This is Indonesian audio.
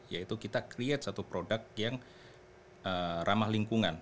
yaitu kita create satu produk yang ramah lingkungan